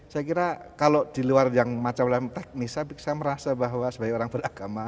saya kira kalau di luar yang macam teknis saya merasa bahwa sebagai orang beragama